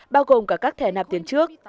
bao gồm cả các thẻ nạp tiền trước